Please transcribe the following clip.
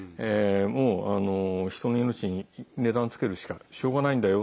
もう、人の命に値段つけるしかしょうがないんだよ。